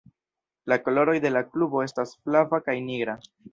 La koloroj de la klubo estas flava kaj nigra.